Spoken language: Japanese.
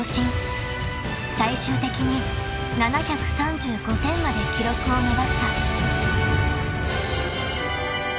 ［最終的に７３５点まで記録を伸ばした］